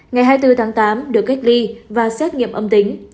ngày hai mươi bốn tháng tám được cách ly và xét nghiệm âm tính